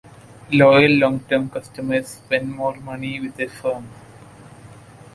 Loyal long-term customers spend more money with a firm.